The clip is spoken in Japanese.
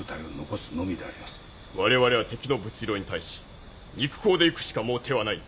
我々は敵の物量に対し肉攻でいくしかもう手はない。